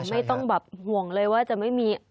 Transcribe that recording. ไม่ต้องแบบห่วงเลยว่าจะไม่มี